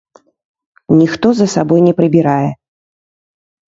Ніхто за сабой не прыбірае.